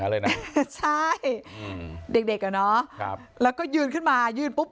เลยนะใช่อืมเด็กเด็กอ่ะเนอะครับแล้วก็ยืนขึ้นมายืนปุ๊บ